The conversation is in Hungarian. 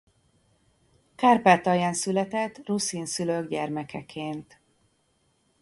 Kárpátalján született ruszin szülők gyermekeként.